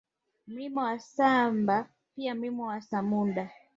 Mlima wa Samba pia Mlima wa Samuda